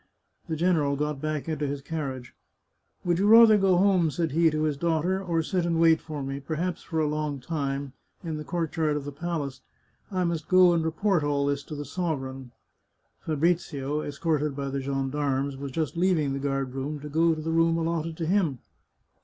The general got back into the carriage. " Would you rather go home ?" said he to his daughter, " or sit and wait for me, perhaps for a long time, in the courtyard of the palace? I must go and report all this to the sovereign." Fabrizio, escorted by the gendarmes, was just leaving the guard room to go to the room allotted to him.